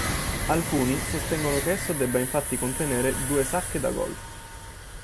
Alcuni sostengono che esso debba infatti contenere "due sacche da golf".